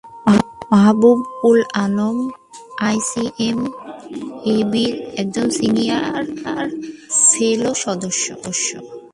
মাহবুব উল আলম আইসিএমএবির একজন senior fellow সদস্য।